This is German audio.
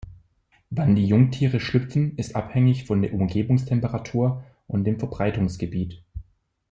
Wann die Jungtiere schlüpfen ist abhängig von der Umgebungstemperatur und dem Verbreitungsgebiet.